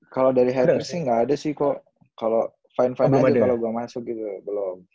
kalo dari haters sih ga ada sih kok kalo fine fine aja kalo gue masuk gitu belom